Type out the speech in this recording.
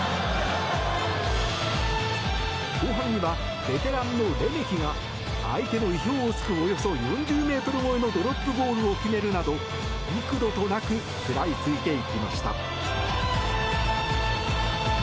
後半には、ベテランのレメキが相手の意表を突くおよそ４０ｍ超えのドロップゴールを決めるなど幾度となく食らいついていきました。